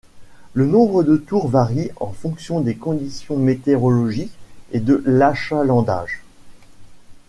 Le nombre de tours varient en fonction des conditions météorologiques et de l'achalandage.